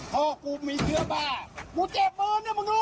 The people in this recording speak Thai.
ชูวิตอะไรก็ไม่รู้